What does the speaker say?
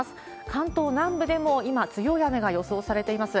関東南部でも今、強い雨が予想されています。